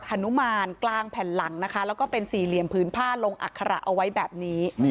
นุมานกลางแผ่นหลังนะคะแล้วก็เป็นสี่เหลี่ยมผืนผ้าลงอัคระเอาไว้แบบนี้